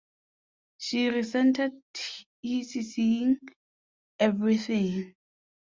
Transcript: She resented his seeing everything.